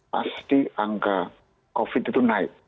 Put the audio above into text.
pasti angka covid itu naik